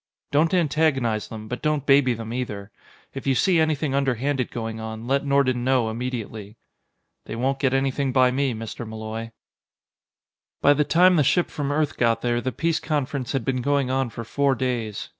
Don't antagonize them, but don't baby them, either. If you see anything underhanded going on, let Nordon know immediately." "They won't get anything by me, Mr. Malloy." By the time the ship from Earth got there, the peace conference had been going on for four days.